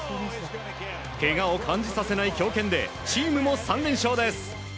けがを感じさせない強肩でチームも３連勝です。